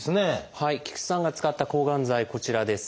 菊池さんが使った抗がん剤こちらです。